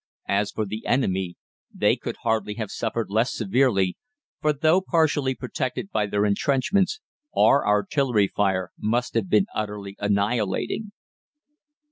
As for the enemy, they could hardly have suffered less severely, for though partially protected by their entrenchments, our artillery fire must have been utterly annihilating."